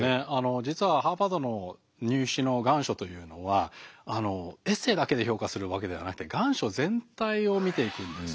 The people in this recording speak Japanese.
実はハーバードの入試の願書というのはエッセーだけで評価するわけではなくて願書全体を見ていくんですよね。